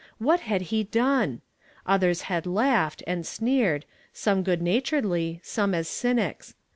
What had he done? Othei s had laughed, and sneered, some good naturedly, some as cynics.